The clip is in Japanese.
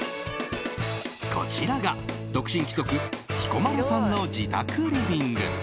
こちらが独身貴族・彦摩呂さんの自宅リビング。